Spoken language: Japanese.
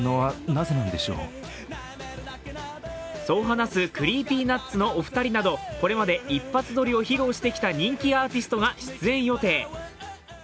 そう話すＣｒｅｅｐｙＮｕｔｓのお二人など、これまで一発撮りを披露してきた人気アーティストが出演予定。